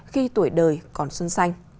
khi tuổi đời còn xuân xanh